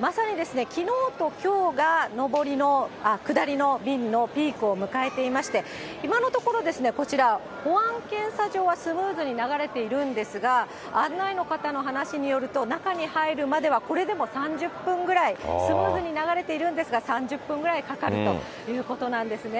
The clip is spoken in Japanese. まさにきのうときょうが、下りの便のピークを迎えていまして、今のところ、こちら保安検査場はスムーズに流れているんですが、案内の方の話によると、中に入るまではこれでも３０分ぐらい、スムーズに流れているんですが、３０分ぐらいかかるということなんですね。